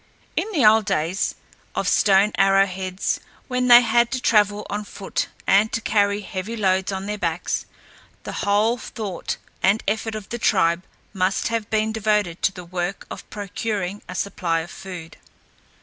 In the old days of stone arrow heads, when they had to travel on foot and to carry heavy loads on their backs, the whole thought and effort of the tribe must have been devoted to the work of procuring a supply of food.